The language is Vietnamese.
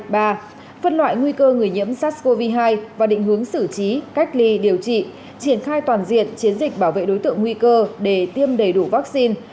phân loại nguy cơ người nhiễm sars cov hai và định hướng xử trí cách ly điều trị triển khai toàn diện chiến dịch bảo vệ đối tượng nguy cơ để tiêm đầy đủ vaccine